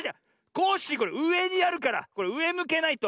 コッシーこれうえにあるからこれうえむけないと。